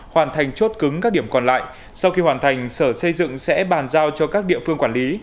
hoàn thành chốt cứng các điểm còn lại sau khi hoàn thành sở xây dựng sẽ bàn giao cho các địa phương quản lý